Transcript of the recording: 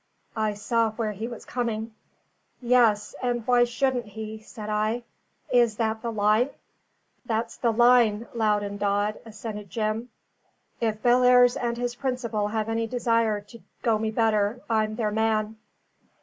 I saw where he was coming. "Yes and why shouldn't he?" said I. "Is that the line?" "That's the line, Loudon Dodd," assented Jim. "If Bellairs and his principal have any desire to go me better, I'm their man."